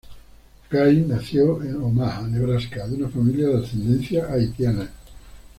Gay nació en Omaha, Nebraska, de una familia de ascendencia haitiana.